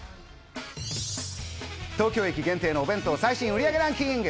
東京駅限定のお弁当、最新売り上げランキング